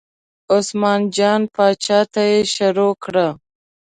عثمان جان پاچا ته یې شروع کړه.